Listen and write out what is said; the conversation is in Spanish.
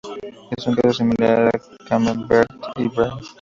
Es un queso similar al camembert y Brie.